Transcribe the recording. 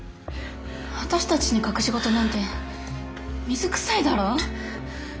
私たちに隠し事なんて水くさいだろ。